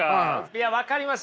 いや分かります